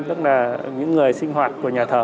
tức là những người sinh hoạt của nhà thờ